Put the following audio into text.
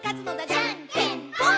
「じゃんけんぽん！！」